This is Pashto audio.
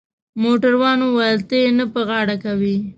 موټروان وویل: ته يې نه په غاړه کوې؟